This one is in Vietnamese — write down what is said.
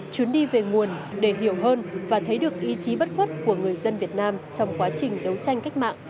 chuyến đi về nguồn để hiểu hơn và thấy được ý chí bất khuất của người dân việt nam trong quá trình đấu tranh cách mạng